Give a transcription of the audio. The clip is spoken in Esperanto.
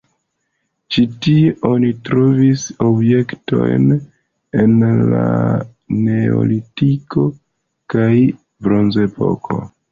Ĉi tie oni trovis objektojn el la neolitiko kaj bronzepoko.